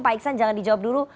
pak iksan jangan dijawab dulu